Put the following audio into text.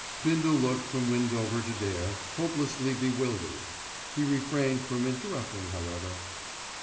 Bindle looked from Windover to Dare, hopelessly bewildered. He refrained from interrupting, however.